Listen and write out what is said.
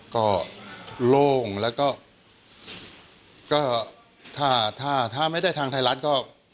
ก็โล่งแล้วก็ก็ถ้าถ้าไม่ได้ทางไทยรัฐก็